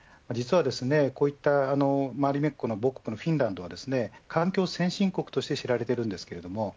こういったマリメッコの母国のフィンランドは環境先進国として知られています。